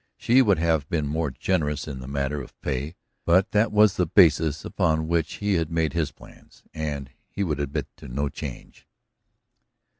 She would have been more generous in the matter of pay, but that was the basis upon which he had made his plans, and he would admit no change.